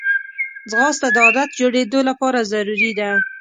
ځغاسته د عادت جوړېدو لپاره ضروري ده